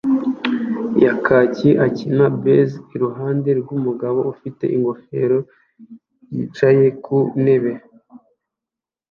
ya kaki akina bass iruhande rwumugabo ufite ingofero yicaye ku ntebe